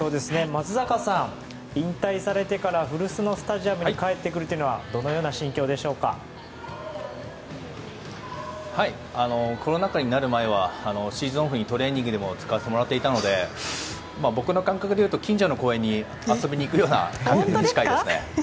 松坂さん、引退されてから古巣のスタジアムに帰ってくるのはコロナ禍になる前はシーズンオフにトレーニングでも使わせてもらっていたので僕の感覚でいうと近所の公園に遊びに行くような感覚に近いですね。